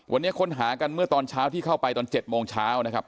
วันนี้ค้นหากันเมื่อตอนเช้าที่เข้าไปตอน๗โมงเช้านะครับ